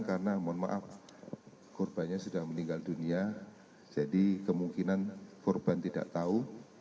karena mohon maaf korbannya sudah meninggal dunia jadi kemungkinan korban tidak tahu